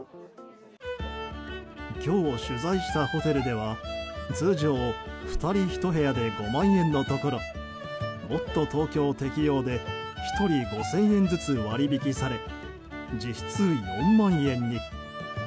今日取材したホテルでは通常２人１部屋で５万円のところもっとＴｏｋｙｏ適用で１人５０００円ずつ割引され実質４万円に。